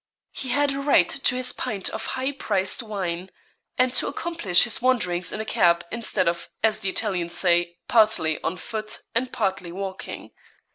He had a right to his pint of high priced wine, and to accomplish his wanderings in a cab, instead of, as the Italians say, 'partly on foot, and partly walking.'